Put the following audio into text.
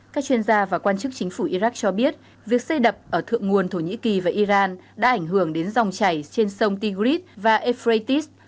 các chuyên gia và quan chức chính phủ iraq cho biết việc xây đập ở thượng nguồn thổ nhĩ kỳ và iran đã ảnh hưởng đến dòng chảy trên sông tigris và efrates